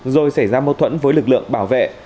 rồi xảy ra mâu thuẫn với lực lượng bảo vệ